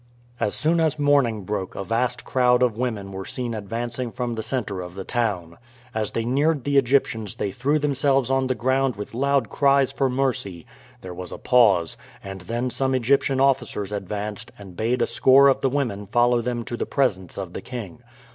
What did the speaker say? As soon as morning broke a vast crowd of women were seen advancing from the center of the town. As they neared the Egyptians they threw themselves on the ground with loud cries for mercy. There was a pause; and then some Egyptian officers advanced and bade a score of the women follow them to the presence of the king.